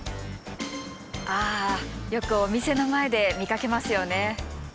あよくお店の前で見かけますよね。